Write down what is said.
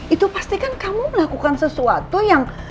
itu pastikan kamu melakukan sesuatu yang